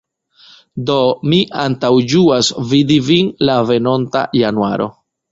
Do, mi antaŭĝuas vidi vin la venonta januaro.